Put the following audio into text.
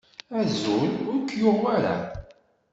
Azul, ur k-yuɣ wara?